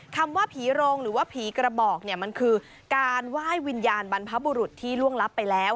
คำว่าผีโรงหรือว่าผีกระบอกเนี่ยมันคือการไหว้วิญญาณบรรพบุรุษที่ล่วงลับไปแล้ว